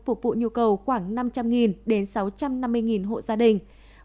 phục vụ nhu cầu khoảng năm trăm linh đến sáu trăm năm mươi hộ gia đình